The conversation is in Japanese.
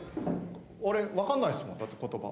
俺、分かんないですもん、だって、ことば。